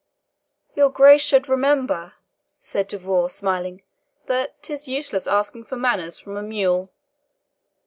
"Your Grace should remember," said De Vaux, smiling, "that 'tis useless asking for manners from a mule."